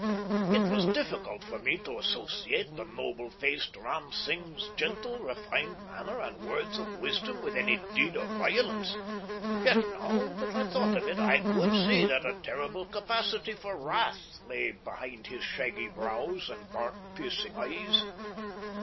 It was difficult for me to associate the noble faced Ram Singh's gentle, refined manner and words of wisdom with any deed of violence, yet now that I thought of it I could see that a terrible capacity for wrath lay behind his shaggy brows and dark, piercing eyes.